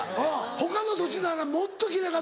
他の土地ならもっと奇麗かったの？